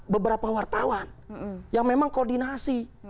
beberapa wartawan yang memang koordinasi